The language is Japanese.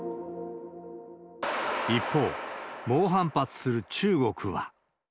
一方、猛反発する中国は。